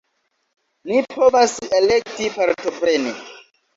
Ni povas elekti partopreni.